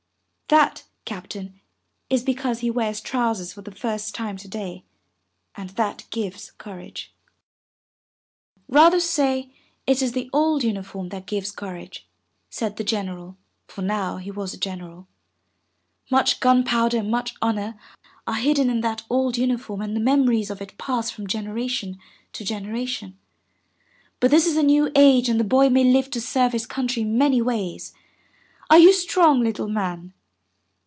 "That, Captain, is because he wears trousers for the first time today, and that gives courage." 407 MY BOOK HOUSE ''Rather say it is the old uniform that gives courage/' said the General (for now he was a general). ''Much gunpowder and much honor are hidden in that old uniform and the memories of it pass from generation to generation. But this is a new age and the boy may live to serve his country in many ways. Are you strong, little man?''